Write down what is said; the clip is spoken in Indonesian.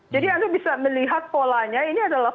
jadi anda bisa melihat polanya ini adalah